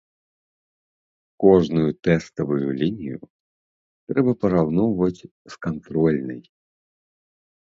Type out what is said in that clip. Кожную тэставую лінію трэба параўноўваць з кантрольнай.